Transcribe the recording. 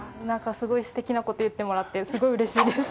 すごいすてきなこと言ってもらってすごいうれしいです。